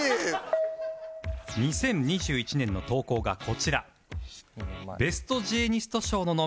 ２０２１年の投稿がこちら